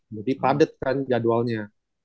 jadi padet kan jadwalnya